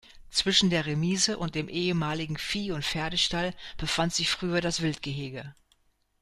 Zwischen der Remise und dem ehemaligen Vieh- und Pferdestall befand sich früher das Wildgehege.